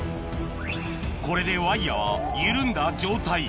これでワイヤは緩んだ状態